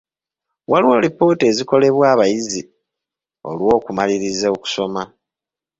Waliwo alipoota ezikolebwa abayizi olw'okumaliriza okusoma.